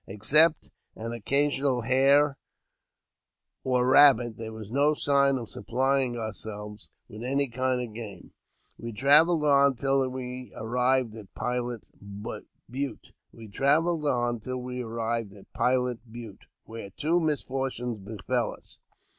Except an occasional hare or rabbit, there was no sign of supplying ourselves with any kind of game. We travelled on till we arrived at Pilot Butte, where two JAMES P. BECKWOUBTH. 63 misfortunes befell us.